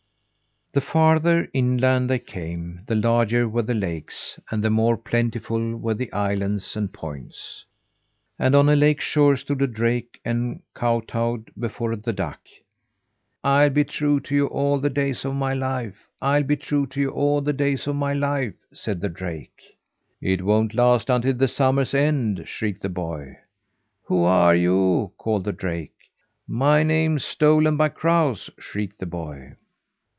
The farther inland they came, the larger were the lakes, and the more plentiful were the islands and points. And on a lake shore stood a drake and kowtowed before the duck. "I'll be true to you all the days of my life. I'll be true to you all the days of my life," said the drake. "It won't last until the summer's end," shrieked the boy. "Who are you?" called the drake. "My name's Stolen by Crows," shrieked the boy.